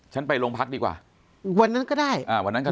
ไปโรงพักดีกว่าวันนั้นก็ได้อ่าวันนั้นก็